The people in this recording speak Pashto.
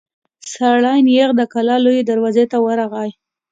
سړی نېغ د کلا لويي دروازې ته ورغی.